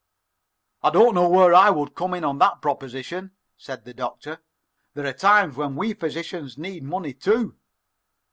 "I don't know where I would come in on that proposition," said the Doctor. "There are times when we physicians need money, too."